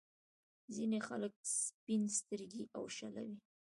ځينې خلک سپين سترګي او شله وي.